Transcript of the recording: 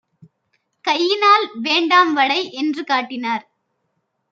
கையினால் "வேண்டாம் வடை" என்று காட்டினார்.